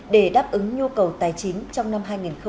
để đáp ứng nhu cầu tài chính trong năm hai nghìn hai mươi